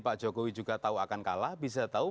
pak jokowi juga tahu akan kalah bisa tahu